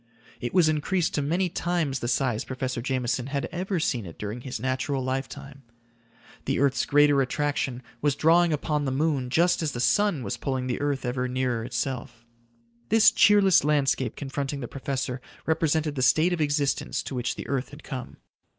It was increased to many times the size Professor Jameson had ever seen it during his natural lifetime. The earth's greater attraction was drawing upon the moon just as the sun was pulling the earth ever nearer itself. This cheerless landscape confronting the professor represented the state of existence to which the earth had come.